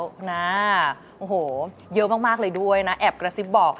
แฟนแล้วนะโอ้โหเยอะมากเลยด้วยนะแอบกระซิบบอก